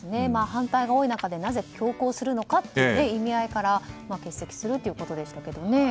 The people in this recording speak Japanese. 反対が多い中なぜ強行するのかという意味合いから欠席するということでしたが。